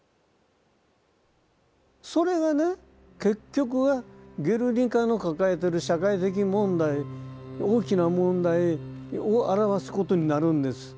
それがね結局は「ゲルニカ」の抱えてる社会的問題大きな問題を表すことになるんです。